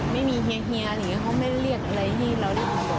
ไม่มีเฮียเขาไม่เรียกอะไรให้เราได้ข่าวบอล